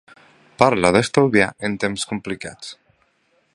Parla d’estalviar en temps complicats.